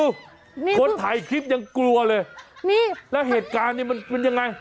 คนลุกคนถ่ายคลิปยังกลัวแต่เหตุการณ์จะเป็นอะไร